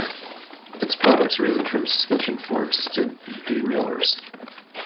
Its products range from suspension forks to derailleurs.